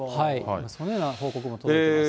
そのような報告も届いております。